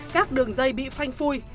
các đường dây bị phanh phui